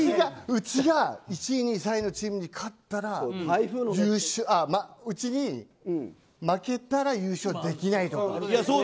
うちが１位２位３位のチームに勝ったらうちに負けたら優勝できないぞと。